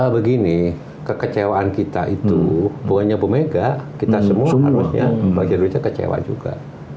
begini kekecewaan kita itu bukannya bu mega kita semua seharusnya bagi indonesia kecewa juga